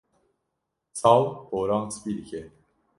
Sal poran spî dike.